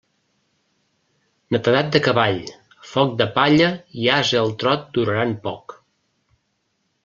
Netedat de cavall, foc de palla i ase al trot duraran poc.